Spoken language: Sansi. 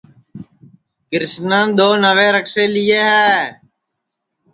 کرشنان دؔو نئوئے رکسے لیئے ہے